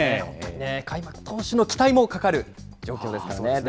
本当にね、開幕投手の期待もかかる状況ですからね。